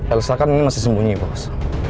elsa kan ini masih sembunyi bos